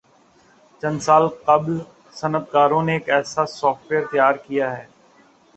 چند سال قبل صنعتکاروں نے ایک ایسا سافٹ ویئر تیار کیا ہے